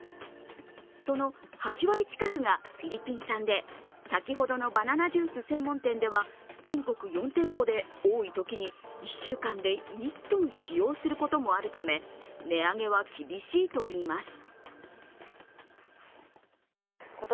その８割近くがフィリピン産で、先ほどのバナナジュース専門店では全国４店舗で多いときに１週間で１ｔ使用することもあるため値上げは厳しいといいます。